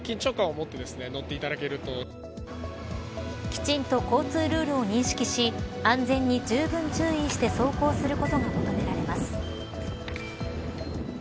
きちんと交通ルールを認識し安全にじゅうぶん注意して走行することが求められます。